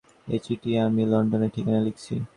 এ চিঠি আমি লণ্ডনের ঠিকানায় লিখছি।